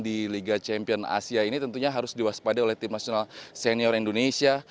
di liga champion asia ini tentunya harus diwaspada oleh timnasional senior indonesia